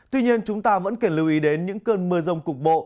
tuy nhiên chúng ta vẫn cần lưu ý đến những cơn mưa rông cục bộ